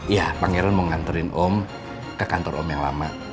ya pangeran mau nganterin om ke kantor om yang lama